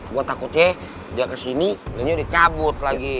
gue takutnya dia kesini mendingan dia cabut lagi